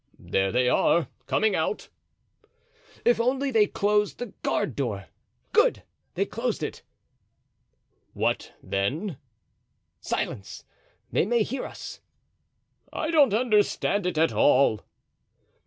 "There they are, coming out." "If only they close the guardhouse door! Good! They close it." "What, then?" "Silence! They may hear us." "I don't understand it at all."